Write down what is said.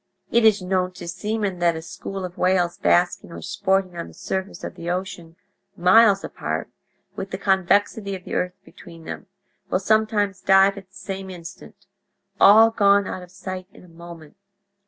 "It is known to seamen that a school of whales basking or sporting on the surface of the ocean, miles apart, with the convexity of the earth between them, will sometimes dive at the same instant—all gone out of sight in a moment.